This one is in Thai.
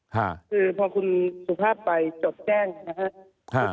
คือพอคุณสุภาพไปจดแจ้งนะครับ